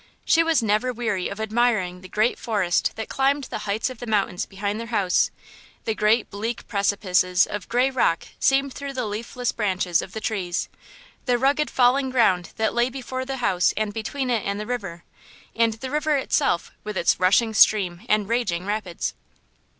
She was never weary of admiring the great forest that climbed the heights of the mountains behind their house; the great bleak precipices of gray rock seen through the leafless branches of the trees; the rugged falling ground that lay before the house and between it and the river; and the river itself, with its rushing stream and raging rapids.